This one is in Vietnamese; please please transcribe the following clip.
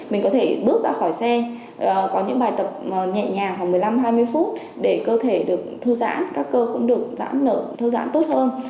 mình có thể bước ra khỏi xe có những bài tập nhẹ nhàng khoảng một mươi năm hai mươi phút để cơ thể được thư giãn các cơ cũng được giãn nở thư giãn tốt hơn